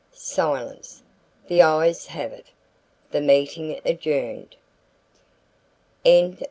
Silence. "The ayes have it." The meeting adjourned.